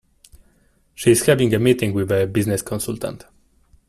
She is having a meeting with a business consultant.